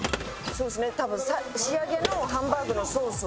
そうですね多分仕上げのハンバーグのソースを。